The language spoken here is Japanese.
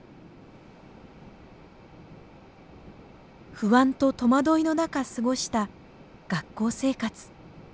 不安と戸惑いの中過ごした学校生活。